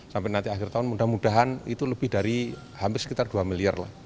sampai nanti akhir tahun mudah mudahan itu lebih dari hampir sekitar dua miliar lah